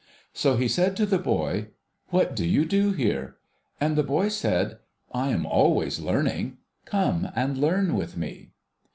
.So, he said to the boy, * VVhat do you do here ?' And the boy said, ' I am always learning. Come and learn with me.'